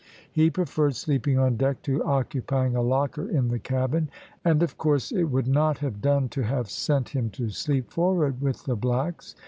He preferred sleeping on deck to occupying a locker in the cabin; and of course it would not have done to have sent him to sleep forward with the blacks.